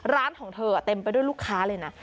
ของเธอเต็มไปด้วยลูกค้าเลยนะ